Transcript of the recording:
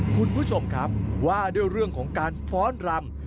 คุณผู้ชมครับว่าด้วยเรื่องของการฟ้อนรำ